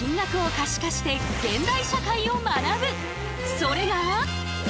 それが。